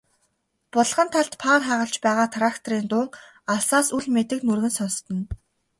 Булган талд паар хагалж байгаа тракторын дуун алсаас үл мэдэг нүргэн сонстоно.